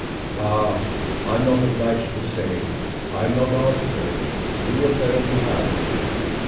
"Ah I'm not obliged to say. I've not asked her. You apparently have."